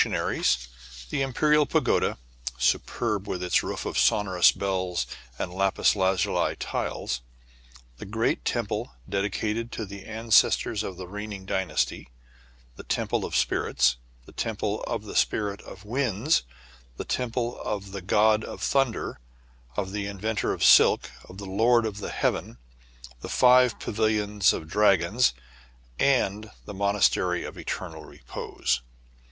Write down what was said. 15 1 sionaries ; the imperial pagoda, superb with its roof of sonorous bells and lapis lazuli tiles ; the great temple dedicated to the ancestors of the reigning dynasty ; the Temple of Spirits ; the Tem of the Spirit of Winds ; the Temple of the God of Thunder, of the Inventor of Silk, of the Lord of Heaven ; the five Pavilions of Dragons ; and the Monastery of Eternal Repose.